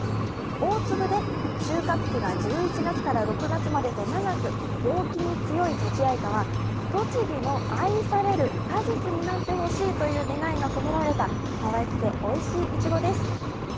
大粒で収穫期が１１月から６月までと長く、病気に強いとちあいかは栃木の愛される果実になってほしいという願いが込められたかわいくておいしいいちごです。